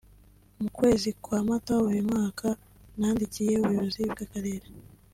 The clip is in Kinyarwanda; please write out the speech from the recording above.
mu kwezi kwa Mata uyu mwaka nandikiye Ubuyobozi bw’Akarere